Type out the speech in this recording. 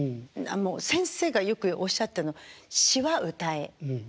先生がよくおっしゃってたのは「詞は歌え」って。